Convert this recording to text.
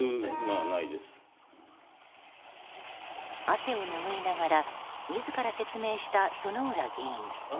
汗を拭いながら自ら説明した薗浦議員。